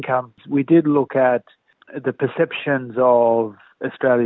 kami melihat persepsi pendidikan australia